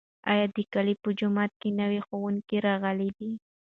ایا د کلي په جومات کې نوی ښوونکی راغلی دی؟